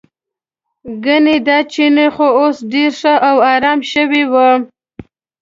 ګنې دا چینی خو اوس ډېر ښه او ارام شوی و.